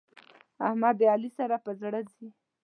احمد د علي سره پر زړه ځي.